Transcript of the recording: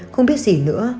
không biết gì nữa